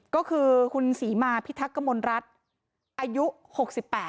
ก็คือคุณศรีมาพิทักษมลรัฐอายุ๖๘